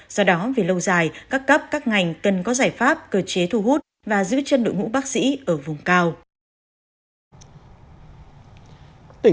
do đó về lâu dài các cấp các ngành cần có giải pháp cơ chế thu hút và giữ chân đội ngũ bác sĩ ở vùng cao